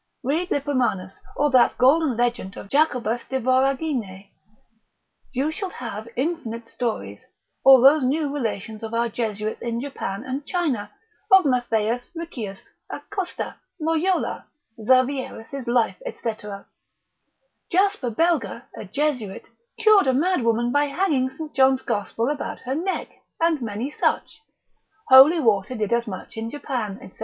Read Lippomanus, or that golden legend of Jacobus de Voragine, you shall have infinite stories, or those new relations of our Jesuits in Japan and China, of Mat. Riccius, Acosta, Loyola, Xaverius's life, &c. Jasper Belga, a Jesuit, cured a mad woman by hanging St. John's gospel about her neck, and many such. Holy water did as much in Japan, &c.